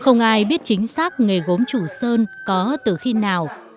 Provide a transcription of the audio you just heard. không ai biết chính xác nghề gốm chủ sơn có từ khi nào